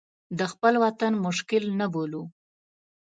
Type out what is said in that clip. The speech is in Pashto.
د خپل وطن مشکل نه بولو.